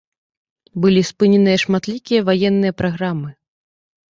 Былі спыненыя шматлікія ваенныя праграмы.